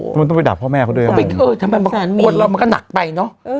ทำไมต้องไปด่าพ่อแม่เขาด้วยเออทำไมมันคนเรามันก็หนักไปเนอะเออ